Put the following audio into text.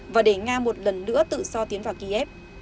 và để nga một lần nữa tự soi tiến vào kiev